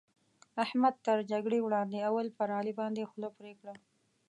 احمد تر جګړې وړاندې؛ اول پر علي باندې خوله پرې کړه.